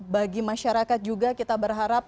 bagi masyarakat juga kita berharap